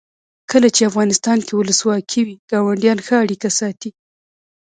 کله چې افغانستان کې ولسواکي وي ګاونډیان ښه اړیکې ساتي.